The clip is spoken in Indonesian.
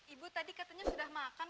ibu tadi katanya sudah makan